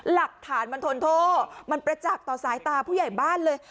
หลักฐานมันทนโทษมันประจักษ์ต่อสายตาผู้ใหญ่บ้านเลย